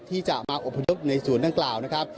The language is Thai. ที่จะมาอบพยพในศูนย์ดังกล่าวนะครับ